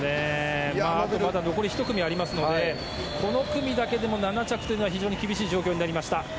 まだ残り１組ありますのでこの組だけでも７着というのは非常に厳しい状況になりました。